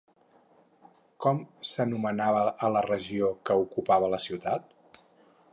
Com s'anomenava a la regió que ocupava la ciutat?